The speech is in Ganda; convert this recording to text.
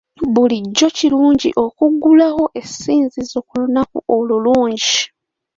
Bulijjo kirungi okuggulawo essinzizo ku lunaku olulungi.